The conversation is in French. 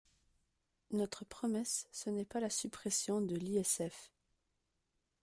Notre promesse, ce n’est pas la suppression de l’ISF.